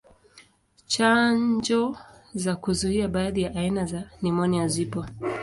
Chanjo za kuzuia baadhi ya aina za nimonia zipo.